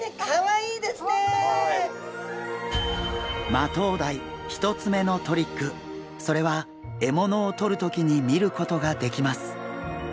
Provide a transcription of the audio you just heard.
マトウダイ１つめのトリックそれは獲物をとる時に見ることができます。